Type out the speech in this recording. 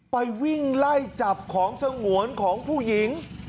ไปวิ่งไล่จับของสงวนของผู้หญิง